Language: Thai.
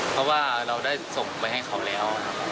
เพราะว่าเราได้ส่งไปให้เขาแล้วครับ